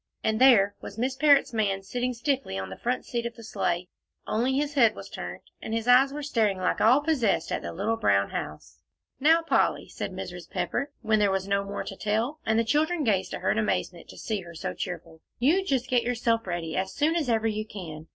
And there was Miss Parrott's man sitting stiffly on the front seat of the sleigh, only his head was turned, and his eyes were staring like all possessed at the little brown house. "Now, Polly," said Mrs. Pepper, when there was no more to tell, and the children gazed at her in amazement to see her so cheerful, "you just get yourself ready, as soon as ever you can.